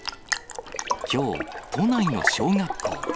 きょう、都内の小学校。